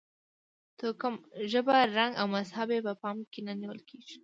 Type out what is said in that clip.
توکم، ژبه، رنګ او مذهب یې په پام کې نه نیول کېږي.